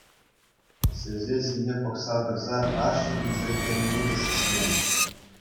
Çĕçĕ ҫине пӑхса тӑрса ашшӗ килсе кӗнине те сисмен.